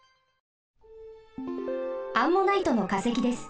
アンモナイトのかせきです。